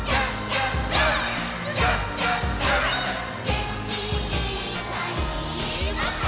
「げんきいっぱいもっと」